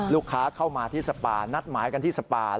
ลูกค้าเข้ามาที่สปานัดหมายกันที่สปา